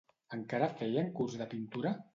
Encara feien curs de pintura?